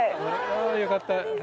よかった。